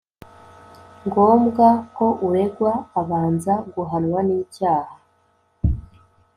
ngombwa ko uregwa abanza guhamwa n icyaha